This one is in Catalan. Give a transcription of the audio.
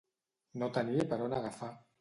No tenir per on agafar.